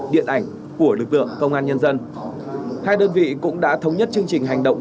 điện ảnh của lực lượng công an nhân dân hai đơn vị cũng đã thống nhất chương trình hành động